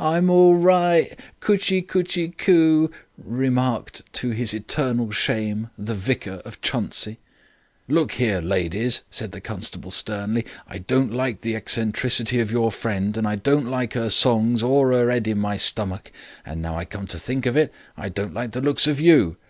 "'I'm all righ'. Cutchy, cutchy, coo!' remarked, to his eternal shame, the Vicar of Chuntsey. "'Look here, ladies,' said the constable sternly, 'I don't like the eccentricity of your friend, and I don't like 'er songs, or 'er 'ead in my stomach. And now I come to think of it, I don't like the looks of you.